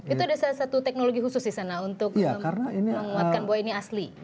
itu ada salah satu teknologi khusus di sana untuk menguatkan bahwa ini asli